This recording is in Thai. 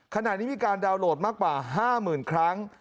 ขณะนี้มีการดาวน์โหลดมากกว่า๕๐๐๐ครั้ง